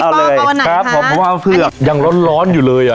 เอาเลยครับเอาหน่อยครับครับของพระพระพระพืชยังร้อนร้อนอยู่เลยอ่ะ